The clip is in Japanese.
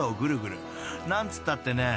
［何つったってね